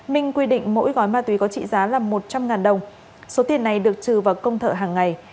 minh quy định mỗi gói ma túy có trị giá là một trăm linh đồng số tiền này được trừ vào công thợ hàng ngày